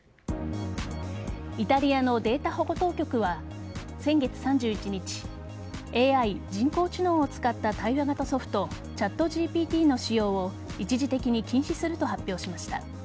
イタリアのデータ保護当局は先月３１日ＡＩ＝人工知能を使った対話型ソフトＣｈａｔＧＰＴの使用を一時的に禁止すると発表しました。